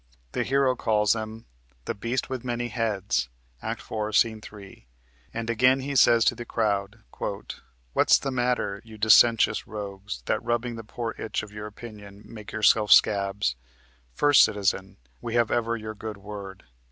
The hero calls them the "beast with many heads" (Act 4, Sc. 3), and again he says to the crowd: "What's the matter, you dissentious rogues, That rubbing the poor itch of your opinion Make yourself scabs? First Citizen. We have ever your good word.